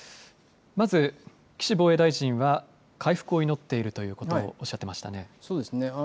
まず岸防衛大臣は回復を祈っているということをおっしゃっていましたね。